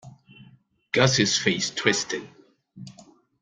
Gussie's face twisted.